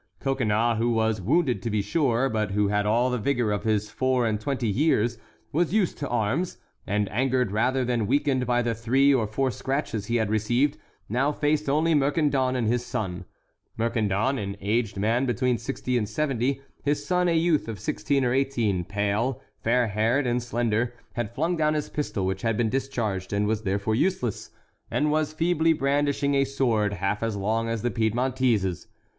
Coconnas, who was wounded to be sure, but who had all the vigor of his four and twenty years, was used to arms, and angered rather than weakened by the three or four scratches he had received, now faced only Mercandon and his son: Mercandon, an aged man between sixty and seventy; his son, a youth of sixteen or eighteen, pale, fair haired and slender, had flung down his pistol which had been discharged and was therefore useless, and was feebly brandishing a sword half as long as the Piedmontese's.